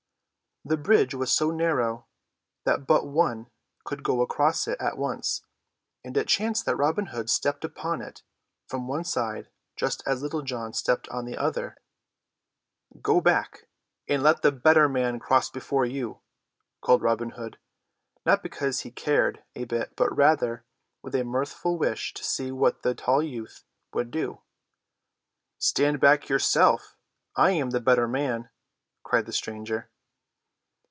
The bridge was so narrow that but one could go across it at once, and it chanced that Robin Hood stepped upon it from one side just as Little John stepped on the other end. "Go back, and let the better man cross before you," called Robin Hood, not because he cared a bit but rather with a mirthful wish to see what the tall youth would do. "Stand back yourself. I am the better man," cried the stranger.